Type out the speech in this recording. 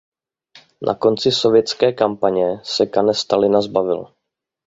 Na konci sovětské kampaně se Kane Stalina zbavil.